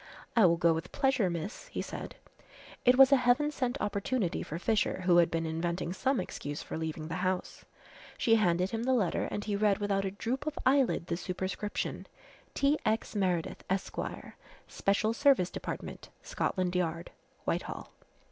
"I will go with pleasure, miss," he said. It was a heaven sent opportunity for Fisher, who had been inventing some excuse for leaving the house. She handed him the letter and he read without a droop of eyelid the superscription: "T. X. Meredith, Esq., Special Service Dept., Scotland Yard, Whitehall."